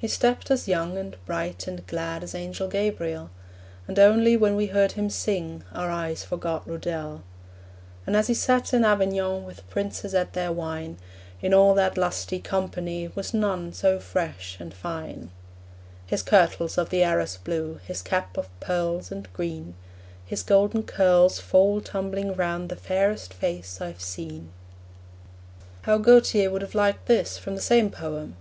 He stepped as young, and bright, and glad As Angel Gabriel. And only when we heard him sing Our eyes forgot Rudel. And as he sat in Avignon, With princes at their wine, In all that lusty company Was none so fresh and fine. His kirtle's of the Arras blue, His cap of pearls and green; His golden curls fall tumbling round The fairest face I've seen. How Gautier would have liked this from the same poem!